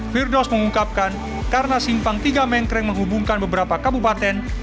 firdaus mengungkapkan karena simpang tiga mengkring menghubungkan beberapa kabupaten